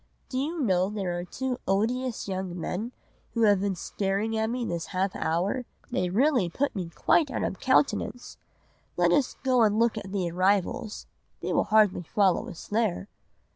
Do you know there are two odious young men who have been staring at me this half hour. They really put me quite out of countenance! Let us go and look at the arrivals, they will hardly follow us there.